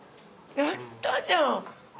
やったじゃん！